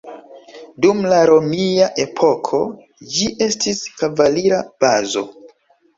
Dum la romia epoko, ĝi estis kavalira bazo.